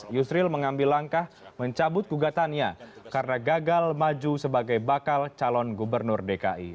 yusril mengambil langkah mencabut gugatannya karena gagal maju sebagai bakal calon gubernur dki